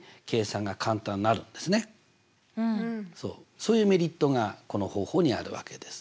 そういうメリットがこの方法にはあるわけです。